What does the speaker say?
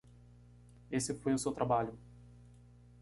Esse foi o seu trabalho.